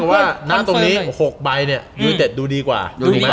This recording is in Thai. คือว่าหน้าตรงนี้๖ใบเนี่ยยูเต็ดดูดีกว่า